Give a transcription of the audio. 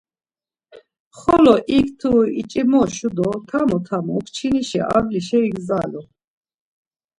Xolo iktu iç̌imoşu do tamo tamo kçinişi avlaşa igzalu.